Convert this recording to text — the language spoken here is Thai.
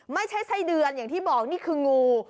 ไม่ใช่ไส้เดือนอย่างที่บอกนี่คืองู